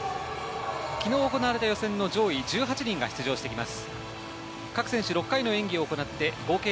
昨日行われた予選の上位１８人が出場してきます。